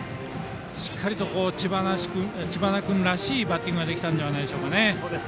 しっかりと知花君らしいバッティングができたんじゃないでしょうか。